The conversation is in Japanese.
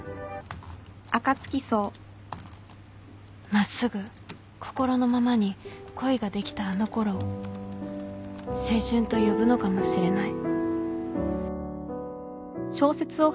「真っ直ぐ心のままに恋ができたあの頃を青春と呼ぶのかもしれない」